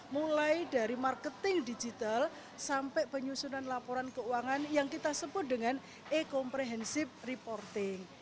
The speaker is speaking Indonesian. mulai dari marketing digital sampai penyusunan laporan keuangan yang kita sebut dengan e comprehensive reporting